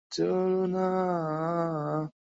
আমরা তোমাকে ডাক্তারের কাছে নিয়ে যাব।